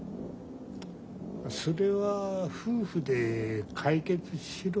それは夫婦で解決しろ。